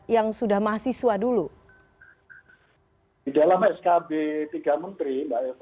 yang lebih dulu adalah sma